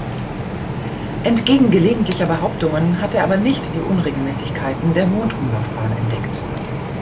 Entgegen gelegentlicher Behauptungen hat er aber nicht die Unregelmäßigkeiten der Mondumlaufbahn entdeckt.